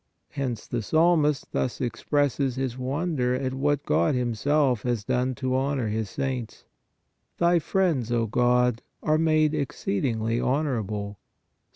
Hence the Psalmist thus 60 PRAYER expresses his wonder at what God Himself has done to honor His saints :" Thy friends, O God, are made exceedingly honorable " (Ps.